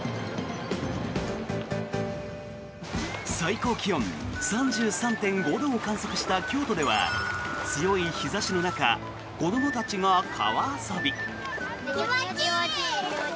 最高気温３３．５度を観測した京都では強い日差しの中子どもたちが川遊び。